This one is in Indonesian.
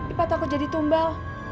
ipa takut jadi tumbal